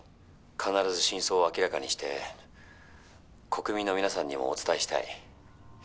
必ず真相を明らかにして国民の皆さんにもお伝えしたい。